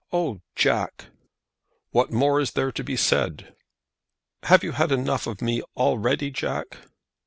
Oh, Jack!" "What more is there to be said?" "Have you had enough of me already, Jack?"